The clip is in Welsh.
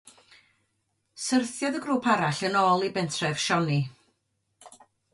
Syrthiodd y grŵp arall yn ôl i bentref Sioni.